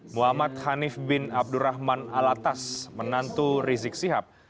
muhammad hanif bin abdurrahman alatas menantu rizik sihab